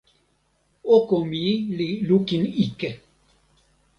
oko mi li lukin ike.